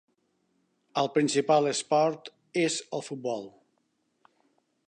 El principal esport és el futbol.